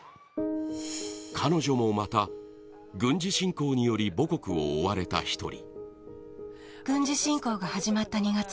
彼女もまた、軍事侵攻により母国を追われた１人。